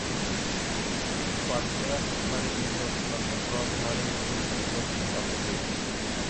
Su partera, Mary Hilton las compró a su madre y les brindó su apellido.